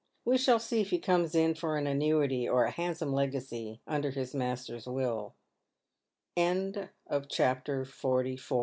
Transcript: We shall see if he comes in for an annuity, or a handsome legacy, under his master's will." CHAPTER XLV. IN THE SURGERY.